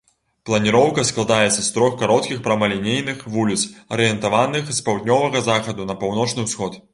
Планіроўка складаецца з трох кароткіх прамалінейных вуліц, арыентаваных з паўднёвага захаду на паўночны ўсход.